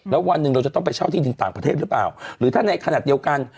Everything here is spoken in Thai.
แล้ววันหนึ่งเราจะต้องไปเช่าที่ดินต่างประเทศหรือเปล่าหรือถ้าในขณะเดียวกัน